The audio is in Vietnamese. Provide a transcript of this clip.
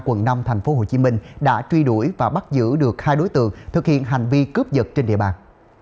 quận năm tp hcm đã truy đuổi và bắt giữ được hai đối tượng thực hiện hành vi cướp giật trên địa bàn